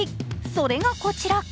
それがこちら。